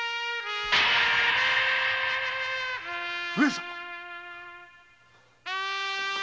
上様！